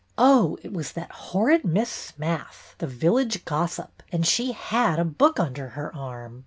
Oh, it was that horrid Mrs. Smath, the village gossip, and she had a book under her arm.